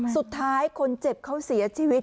สุดท้ายคนเจ็บเขาเสียชีวิต